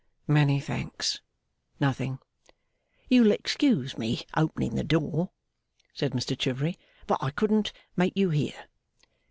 'Many thanks. Nothing.' 'You'll excuse me opening the door,' said Mr Chivery; 'but I couldn't make you hear.